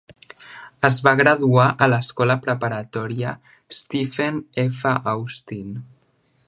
Es va graduar a l'Escola Preparatòria Stephen F. Austin.